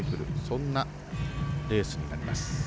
そんなレースになります。